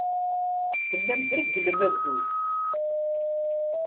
Tellam tregglem abduz.